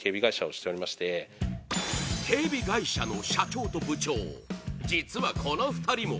警備会社の社長と部長実は、この２人も